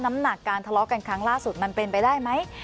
น้ำหนักการทะเลาะกันครั้งล่าสุดมันเป็นไปได้ไหม